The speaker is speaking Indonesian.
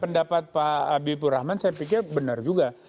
pendapat pak habibur rahman saya pikir benar juga